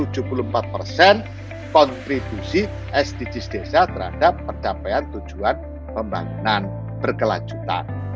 yang kontribusi sdgs desa terhadap pencapaian tujuan pembangunan berkelanjutan